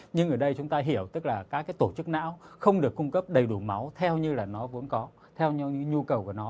nhưng ở đây chúng ta hiểu tức là các tổ chức não không được cung cấp đầy đủ máu theo như là nó vốn có theo nhu cầu của nó